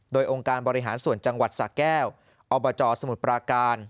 โดยองค์การบริหารส่วนจังหวัดสะแก้วอบจสมุทรปราการ